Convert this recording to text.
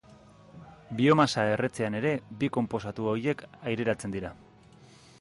Biomasa erretzean ere, bi konposatu horiek aireratzen dira.